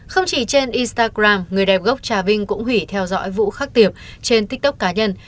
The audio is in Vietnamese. không chỉ trên instagram người đẹp gốc trà vinh cũng hủy theo dõi vũ khắc tiệp trên tiktok cá nhân